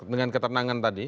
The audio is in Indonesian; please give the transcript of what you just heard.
dengan ketenangan tadi